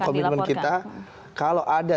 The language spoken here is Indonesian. komitmen kita kalau ada